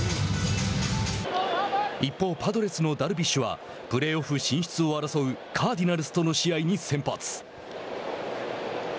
一方、パドレスのダルビッシュはプレーオフ進出を争うカーディナルスとの試合に先発。